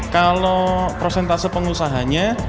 kalau prosentase pengusahanya